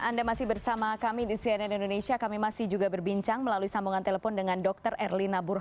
antara menjadi pasar kapal luar negaraid anda bersama kami di cne indonesia kami masih juga berbincang melalui sambungan telepon dengan dr erlina burhan